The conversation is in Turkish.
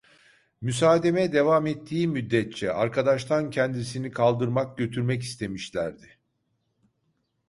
Müsademe devam ettiği müddetçe, arkadaştan kendisini kaldırmak, götürmek istemişlerdi.